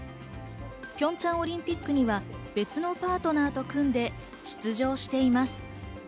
ピョンチャンオリンピックには別のパートナーと組んで出場しています。